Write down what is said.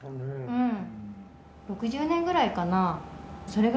うん。